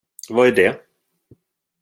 Vad är det?